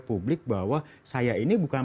publik bahwa saya ini bukan